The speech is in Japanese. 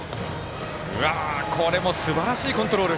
これも、すばらしいコントロール。